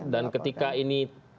dan ketika ini